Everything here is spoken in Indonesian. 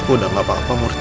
udah gak apa apa murti